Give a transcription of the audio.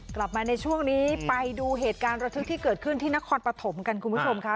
กลับมาในช่วงนี้ไปดูเหตุการณ์ระทึกที่เกิดขึ้นที่นครปฐมกันคุณผู้ชมค่ะ